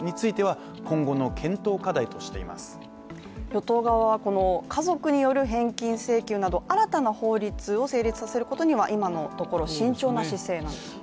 与党側は家族による返金請求など新たな法律を成立させることには今のところ慎重な姿勢なんですね。